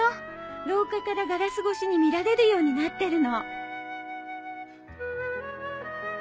廊下からガラス越しに見られるようになってるの。